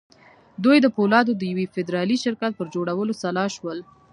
دوی د پولادو د یوه فدرالي شرکت پر جوړولو سلا شول